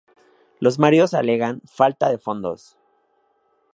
Los maridos alegan falta de fondos.